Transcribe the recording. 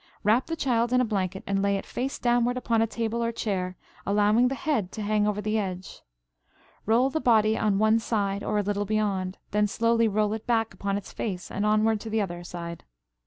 Wrap the child in a blanket and lay it face downward upon a table or chair, allowing the head to hang over the edge. Roll the body on one side or a little beyond; then slowly roll it back upon its face and onward to the other side.